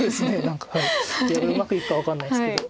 何かいやうまくいくか分かんないですけど。